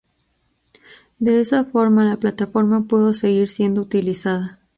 De esa forma la plataforma pudo seguir siendo utilizada.